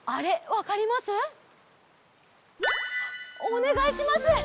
おねがいします。